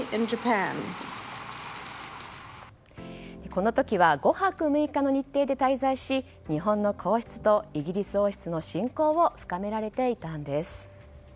この時は５泊６日の日程で滞在し日本の皇室とイギリス王室の親交を深められていたんです。